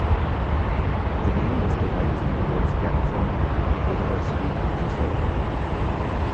The name was derived from the words "California", "university" and "cyclotron".